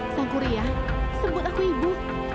sankuria sebut aku ibu